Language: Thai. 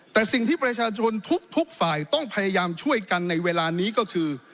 แต่สิ่งที่ประชาชนทุกฝ่ายต้องพยายามช่วยกันในเวลานี้ก็คือ